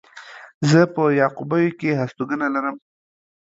زه په يعقوبيو کې هستوګنه لرم.